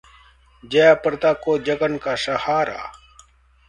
जया प्रदा को जगन का सहारा